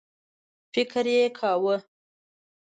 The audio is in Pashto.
فکر یې کاوه.